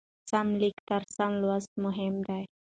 سم لیکل تر سم لوستلو مهم دي.